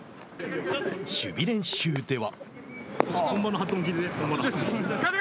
守備練習では。